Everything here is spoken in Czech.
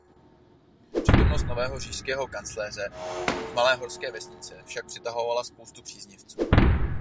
Přítomnost nového říšského kancléře v malé horské vesničce však přitahovala spoustu příznivců.